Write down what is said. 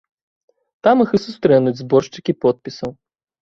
Там іх і сустрэнуць зборшчыкі подпісаў.